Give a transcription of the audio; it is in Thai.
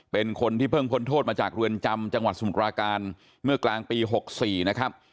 เป็นคนที่เพิ่งพ้นโทษมาจากเรือนจำจังหวัดสมุทราการเมื่อกลางปี๖๔นะครับ